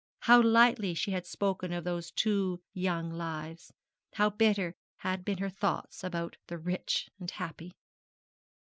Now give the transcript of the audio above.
How lightly she had spoken of those two young lives! how bitter had been her thoughts about the rich and happy!